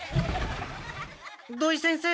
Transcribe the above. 土井先生